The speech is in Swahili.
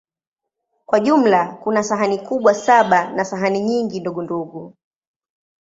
Kwa jumla, kuna sahani kubwa saba na sahani nyingi ndogondogo.